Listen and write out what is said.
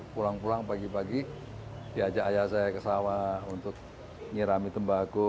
pulang pulang pagi pagi diajak ayah saya ke sawah untuk nyirami tembako